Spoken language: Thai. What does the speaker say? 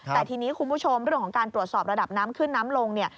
แต่ทีนี้คุณผู้ชมเรื่องของการตรวจสอบระดับน้ำขึ้นน้ำลงเนี่ย